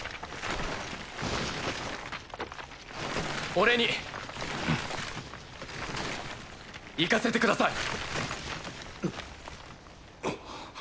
俺に行かせてください。